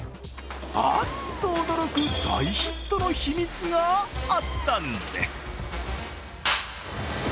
あっと驚く大ヒットの秘密があったんです。